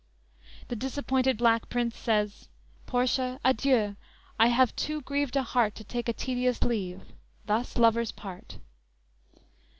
'"_ The disappointed black prince says: _"Portia, adieu! I have too grieved a heart To take a tedious leave; thus lovers part."